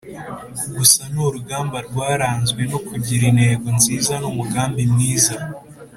Gusa ni urugamba rwaranzwe no kugira intego nziza n’umugambi mwiza.